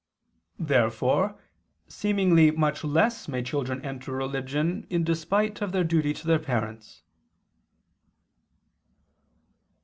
Therefore seemingly much less may children enter religion in despite of their duty to their parents.